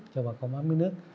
cho bà con bán mía nước